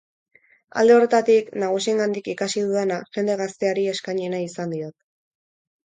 Alde horretatik, nagusiengandik ikasi dudana jende gazteari eskaini nahi izan diot.